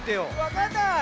わかんない。